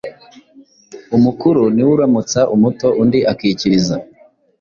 Umukuru ni we uramutsa umuto, undi akikiriza.